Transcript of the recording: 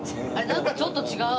なんかちょっと違う。